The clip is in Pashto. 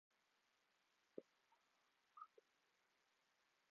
زه هر وخت وختي ويده کيږم